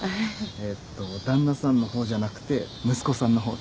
えっと旦那さんの方じゃなくて息子さんの方です。